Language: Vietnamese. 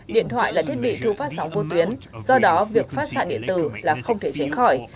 điện thoại là thiết bị thu phát sóng vô tuyến do đó việc phát xạ điện tử là không thể tránh khỏi